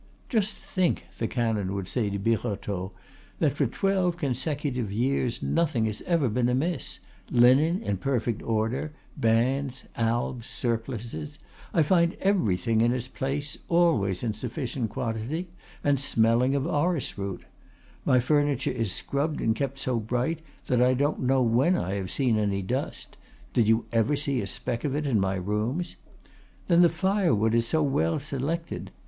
"Just think," the canon would say to Birotteau, "that for twelve consecutive years nothing has ever been amiss, linen in perfect order, bands, albs, surplices; I find everything in its place, always in sufficient quantity, and smelling of orris root. My furniture is rubbed and kept so bright that I don't know when I have seen any dust did you ever see a speck of it in my rooms? Then the firewood is so well selected.